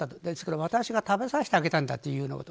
ですから私が食べさせてあげたんだと。